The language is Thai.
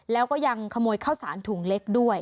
แล้วก็ยังขโมยข้าวสารถุงเล็กด้วย